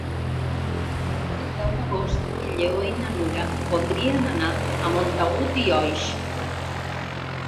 El deu d'agost en Lleó i na Nura voldrien anar a Montagut i Oix.